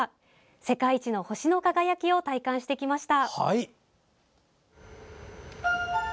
世界一の星の輝きを体感してきました。